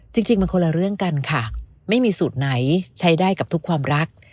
จริงมันคนละเรื่องกันค่ะไม่มีสูตรไหนใช้ได้กับทุกความรัก